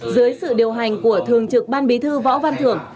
dưới sự điều hành của thường trực ban bí thư võ văn thưởng